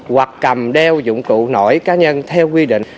hoặc cầm đeo dụng cụ nổi cá nhân theo quy định